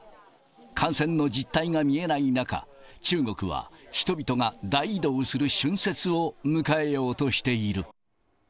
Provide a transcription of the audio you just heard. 感染の実態が見えない中、中国は人々が大移動する春節を迎えようとしている。